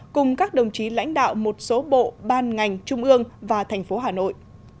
cùng các đồng chí lãnh đạo một số bộ ban ngành trung ương và thành phố hà nội